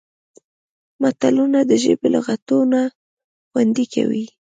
متلونه د ژبې لغتونه خوندي کوي